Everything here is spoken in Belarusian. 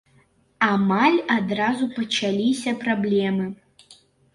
Амаль адразу пачаліся праблемы.